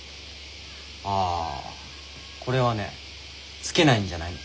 ああこれはねつけないんじゃないの。